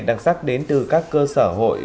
đặc sắc đến từ các cơ sở hội